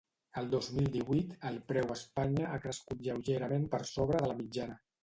El dos mil divuit, el preu a Espanya ha crescut lleugerament per sobre de la mitjana.